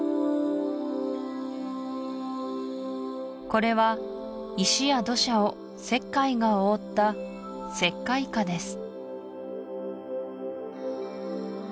これは石や土砂を石灰が覆った石灰華です